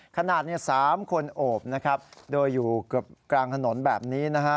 ขนาดนี้๓คนโอบโดยอยู่เกือบกลางถนนแบบนี้